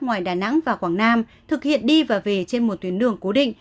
ngoài đà nẵng và quảng nam thực hiện đi và về trên một tuyến đường cố định